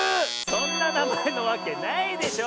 そんななまえなわけないでしょ。